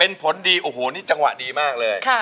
เป็นผลดีโอ้โหนี่จังหวะดีมากเลย